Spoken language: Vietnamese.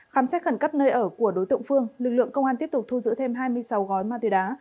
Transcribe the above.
khám xét khẩn cấp nơi ở của đối tượng phương lực lượng công an tiếp tục thu giữ thêm hai mươi sáu gói ma túy đá